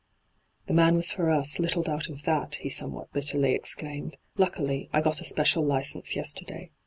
' The man was for us, little doubt of that,' he somewhat bitterly exclaimed. ' Luckily, I got a special license yesterday.